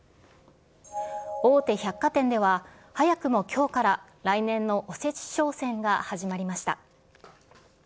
大手百貨店では、早くもきょうから来年のおせち商戦が始まりました。